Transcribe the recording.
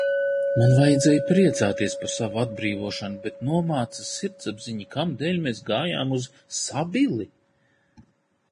Man vajadzēja priecāties par savu atbrīvošanu, bet nomāca sirdsapziņa, kamdēļ mēs gājām uz Sabili?